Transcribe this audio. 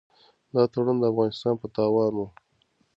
دا تړون د افغانستان په تاوان و.